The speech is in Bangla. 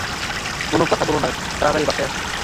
কোনো কথা বলো না, তাড়াতাড়ি বাসায় আসো।